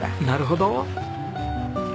なるほど。